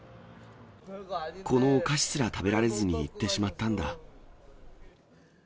このお菓子すら食べられずに逝ってしまったんだ。